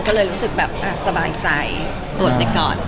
ก็เลยรู้สึกแบบสบายใจตรวจไปก่อน